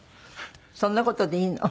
そんな事でいいの？